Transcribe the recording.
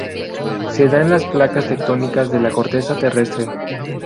Se da en las placas tectónicas de la corteza terrestre.